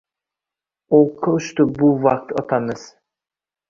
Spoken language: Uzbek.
O’qqa uchdi bu vakt otamiz.